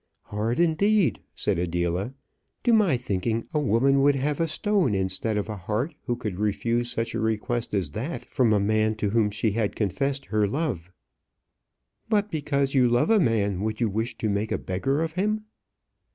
"Hard, indeed!" said Adela. "To my thinking, a woman would have a stone instead of a heart who could refuse such a request as that from a man to whom she has confessed her love." "But because you love a man, would you wish to make a beggar of him?"